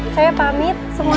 saya pamit semuanya